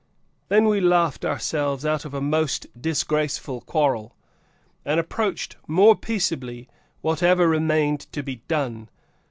Then we laughed ourselves out of a most disgraceful quarrel, and approached more peaceably whatever remained to be done.